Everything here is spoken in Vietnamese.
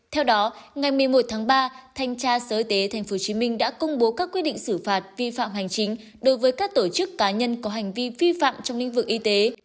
theo đó ngày một mươi một tháng ba thanh tra sở y tế tp hcm đã công bố các quyết định xử phạt vi phạm hành chính đối với các tổ chức cá nhân có hành vi vi phạm trong lĩnh vực y tế